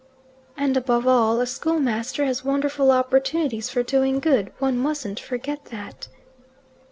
" And above all, a schoolmaster has wonderful opportunities for doing good; one mustn't forget that."